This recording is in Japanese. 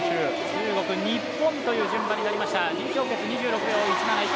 中国、日本という順番になりました。